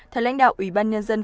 theo lãnh đạo ủy ban nhân dân